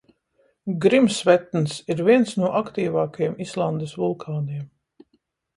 Grimsvetns ir viens no aktīvākajiem Islandes vulkāniem.